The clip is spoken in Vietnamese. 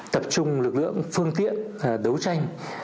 tập trung lực lượng phương tiện đấu tranh